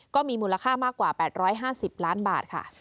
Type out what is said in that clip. ก็มีมูลค่ามากกว่า๘๕๐ล้านบาทค่ะ